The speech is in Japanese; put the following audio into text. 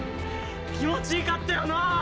気持ち良かったよなぁ。